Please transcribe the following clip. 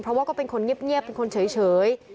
เพราะว่าก็เป็นคนเงียบเป็นคนเฉย